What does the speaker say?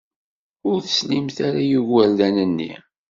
Ur teslimt ara i yigurdan-nni.